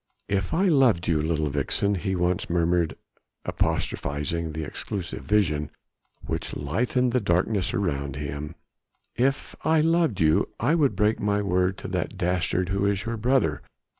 "If I loved you, little vixen," he once murmured apostrophizing the elusive vision which lightened the darkness around him, "if I loved you, I would break my word to that dastard who is your brother